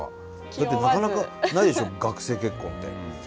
だってなかなかないでしょ学生結婚って。